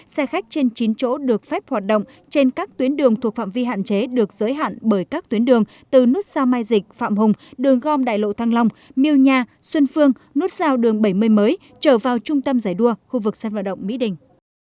xe khách trên chín chỗ được phép hoạt động trên các tuyến đường thuộc phạm vi hạn chế được giới hạn bởi các tuyến đường từ nút sao mai dịch phạm hùng đường gom đại lộ thăng long miêu nha xuân phương nút sao đường bảy mươi mới trở vào trung tâm giải đua khu vực sân vận động mỹ đình